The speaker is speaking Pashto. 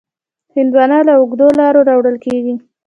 هندوانه له اوږده لاره راوړل کېږي.